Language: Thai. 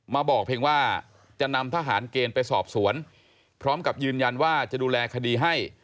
บอกเพียงว่าจะนำทหารเกณฑ์ไปสอบสวนพร้อมกับยืนยันว่าจะดูแลคดีให้